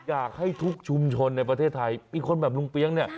อยากให้ทุกชุมชนในประเทศไทยมีคนแบบลุงเปี๊ยกเนี่ย